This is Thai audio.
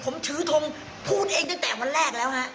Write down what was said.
ผมถือทงพูดเองตั้งแต่วันแรกแล้วฮะ